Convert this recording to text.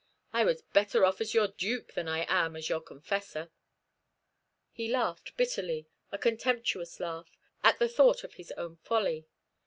I was better off as your dupe than I am as your confessor." He laughed bitterly, a contemptuous laugh, at the thought of his own folly.